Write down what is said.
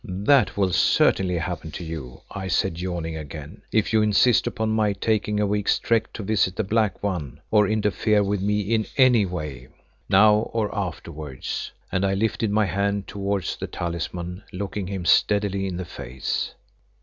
"That will certainly happen to you," I said, yawning again, "if you insist upon my taking a week's trek to visit the Black One, or interfere with me in any way now or afterwards," and I lifted my hand towards the talisman, looking him steadily in the face.